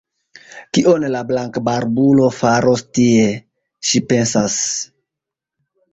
Kion la blankbarbulo faros tie? ŝi pensas.